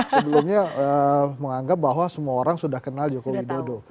sebelumnya menganggap bahwa semua orang sudah kenal jokowi dodo